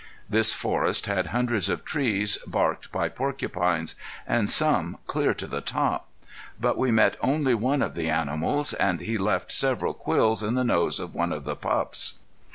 This forest had hundreds of trees barked by porcupines, and some clear to the top. But we met only one of the animals, and he left several quills in the nose of one of the pups.